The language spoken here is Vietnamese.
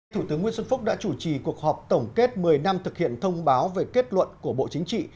thủ tướng nguyễn xuân phúc đã chủ trì cuộc họp tổng kết một mươi năm thực hiện thông báo về kết luận của bộ chính trị